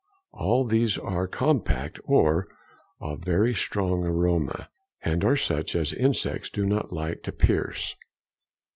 All these are compact or of very strong aroma, and are such as insects do not like to pierce.